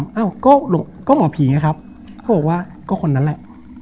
นะอ้าวก็ลุงก็หมอผีนะครับบอกว่าก็คนนั้นแหละ